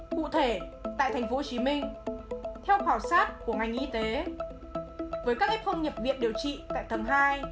cụ thể tại tp hcm theo khảo sát của ngành y tế với các ép hương nhập viện điều trị tại thầng hai